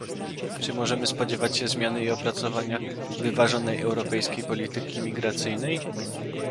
czy możemy spodziewać się zmiany i opracowania wyważonej europejskiej polityki migracyjnej?